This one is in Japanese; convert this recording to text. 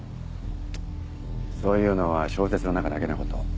そういうのは小説の中だけのこと。